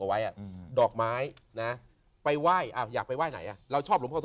เอาไว้ดอกไม้นะไปไหว้อยากไปไหว้ไหนเราชอบหลุมพระโสทร